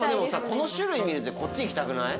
この種類見るとこっちいきたくない？